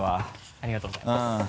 ありがとうございます。